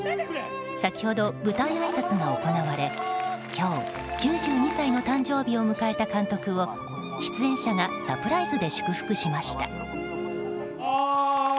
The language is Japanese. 先ほど舞台あいさつが行われ今日９２歳の誕生日を迎えた監督を出演者がサプライズで祝福しました。